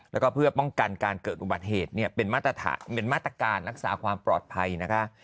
แล้วก็เพื่อป้องกันการเกิดอุบัติเหตุเนี่ยเป็นมาตรการรักษาความปลอดภัยนะคะ